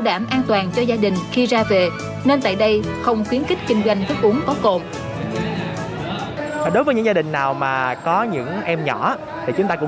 đồng hành thức uống có cồn đối với những gia đình nào mà có những em nhỏ thì chúng ta cũng